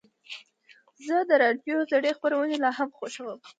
زه د راډیو زړې خپرونې لا هم خوښوم.